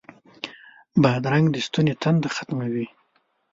بادرنګ د ستوني تنده ختموي.